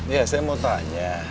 ya saya mau tanya